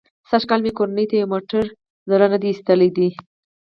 سږ کال مې کورنۍ ته یو موټر زړه نه ایستلی دی.